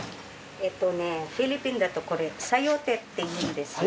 えっとねフィリピンだとこれサヨーテっていうんですよ。